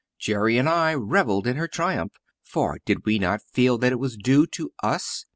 Jerry and I revelled in her triumph, for did we not feel that it was due to us?